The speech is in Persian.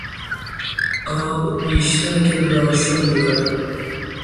آب بیشتر گل را شل میکند.